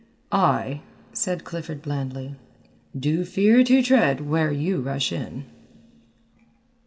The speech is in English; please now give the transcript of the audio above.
"I," said Clifford blandly, "do fear to tread where you rush in."